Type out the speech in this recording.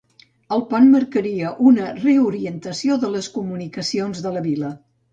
El pont marcaria una reorientació de les comunicacions de la vila.